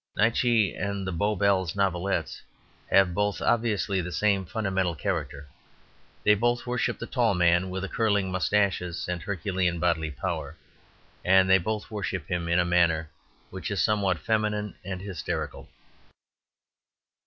Nietzsche and the Bow Bells Novelettes have both obviously the same fundamental character; they both worship the tall man with curling moustaches and herculean bodily power, and they both worship him in a manner which is somewhat feminine and hysterical.